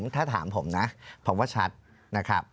ถ้าถามผมนะผมว่าชัดนะครับ